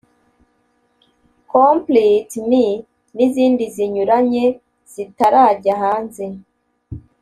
Complete me n’izindi zinyuranye zitarajya hanze